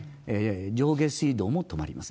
上下水道も止まります。